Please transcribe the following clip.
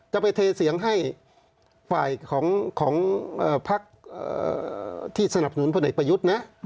จะไปเทเสียงให้ฝ่ายของพักที่สนับสนุนพลเอกประยุทธ์นะ